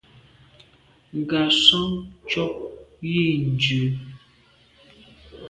Ngassam ntshob yi ndù.